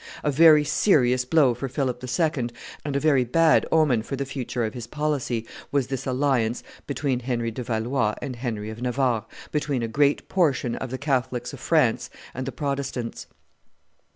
A very serious blow for Philip II., and a very bad omen for the future of his policy, was this alliance between Henry de Valois and Henry of Navarre, between a great portion of the Catholics of France and the Protestants.